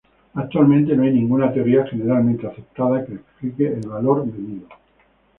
Actualmente no hay ninguna teoría generalmente aceptada que explique el valor medido.